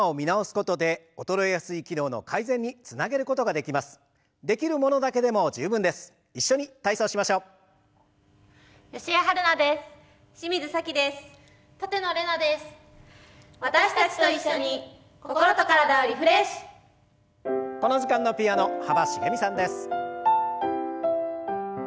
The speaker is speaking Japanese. この時間のピアノ幅しげみさんです。